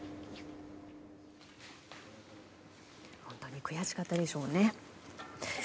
本当に悔しかったでしょうね。